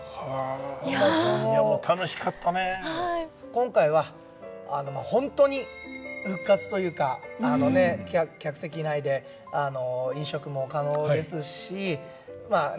今回はホントに復活というかあのね客席内で飲食も可能ですしまあね